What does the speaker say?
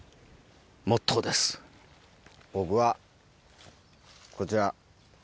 僕はこちら。